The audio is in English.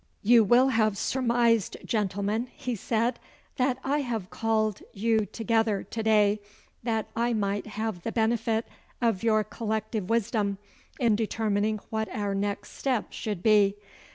'You will have surmised, gentlemen,' he said, 'that I have called you together to day that I might have the benefit of your collective wisdom in determining what our next steps should be.